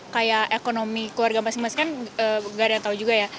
kayak ekonomi keluarga masing masing kan gak ada yang tahu juga ya